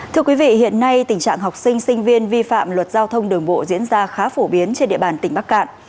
thưa quý vị hiện nay tình trạng học sinh sinh viên vi phạm luật giao thông đường bộ diễn ra khá phổ biến trên địa bàn tỉnh bắc cạn